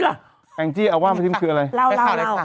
อะไรว่าแล้ว